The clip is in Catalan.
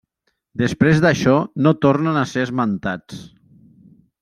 Després d'això no tornen a ser esmentats.